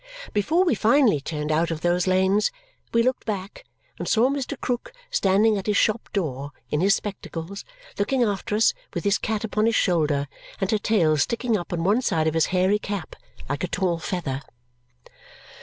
Before we finally turned out of those lanes, we looked back and saw Mr. Krook standing at his shop door, in his spectacles, looking after us, with his cat upon his shoulder, and her tail sticking up on one side of his hairy cap like a tall feather.